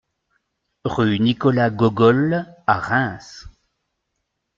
Rue Nicolas Gogol à Reims